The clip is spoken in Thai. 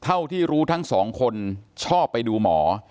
เท่าที่รู้ทั้งสองคนชอบไปดูหมอ